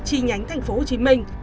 chi nhánh thành phố hồ chí minh